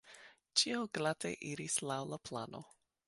Ĉio glate iris laŭ la plano….